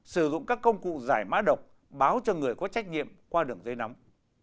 sử dụng các công cụ giải mã độc báo cho người có trách nhiệm qua đường dây nóng